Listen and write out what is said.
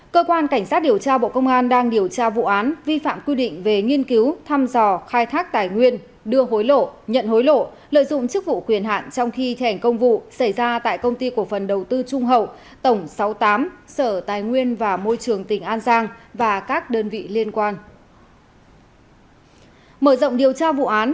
cơ quan cảnh sát điều tra bộ công an đang điều tra vụ án vi phạm quy định về nghiên cứu thăm dò khai thác tài nguyên đưa hối lộ nhận hối lộ lợi dụng chức vụ quyền hạn trong khi thành công vụ xảy ra tại công ty cổ phần đầu tư trung hậu tổng sáu mươi tám sở tài nguyên và môi trường tỉnh an giang và các đơn vị liên quan